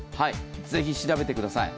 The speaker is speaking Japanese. ぜひ調べてください。